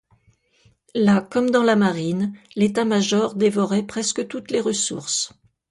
Là comme dans la marine l'état-major dévorait presque toutes les ressources.